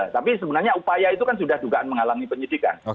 tapi sebenarnya upaya itu kan sudah dugaan menghalangi penyidikan